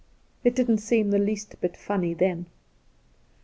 It didn't seem the least bit funny then.